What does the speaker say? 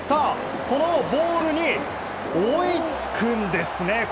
このボールに追いつくんですね。